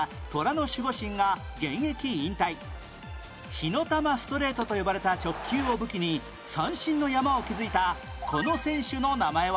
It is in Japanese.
火の玉ストレートと呼ばれた直球を武器に三振の山を築いたこの選手の名前は？